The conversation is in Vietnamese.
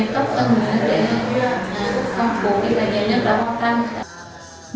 tôi cũng sẽ cố gắng làm việc tốt hơn nữa để phong phú những cái gì được băng thân